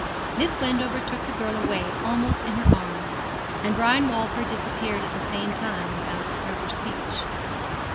Miss Wendover took the girl away almost in her arms, and Brian Walford disappeared at the same time without further speech.